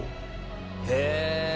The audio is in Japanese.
へえ！